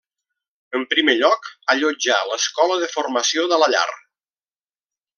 En primer lloc, allotjà l'Escola de Formació de la Llar.